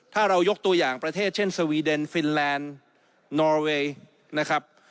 ถ้าเรายกตัวอย่างประเทศเช่นสวีเดนฟินแลนด์นอเวย์นะครับ